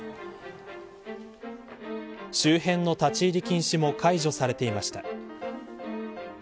周辺の立ち入り禁止も解除されていました。